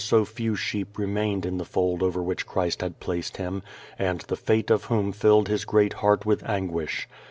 so few sheep remained in the fold over which Christ had placed him, and the fate of whom filled his great heart with anguish.